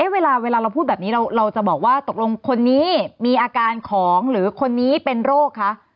เวลาเราพูดแบบนี้เราจะบอกว่าตกลงคนนี้มีอาการของหรือคนนี้เป็นโรคคะ